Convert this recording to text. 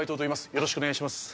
よろしくお願いします